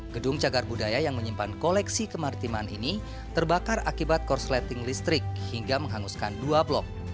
gedung cagar budaya yang menyimpan koleksi kemartiman ini terbakar akibat korsleting listrik hingga menghanguskan dua blok